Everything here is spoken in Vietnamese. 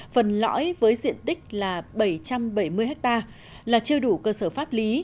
phần lõi với diện tích là bảy trăm bảy mươi ha là chưa đủ cơ sở pháp lý